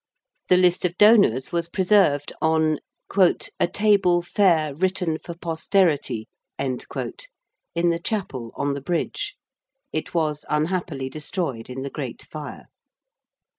The list of donors was preserved on 'a table fair written for posterity' in the Chapel on the Bridge. It was unhappily destroyed in the Great Fire.